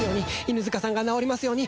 犬塚さんが治りますように。